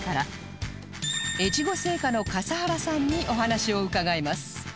越後製菓の笠原さんにお話を伺います